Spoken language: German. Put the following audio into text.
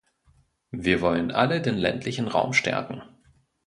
Wir wollen alle den ländlichen Raum stärken.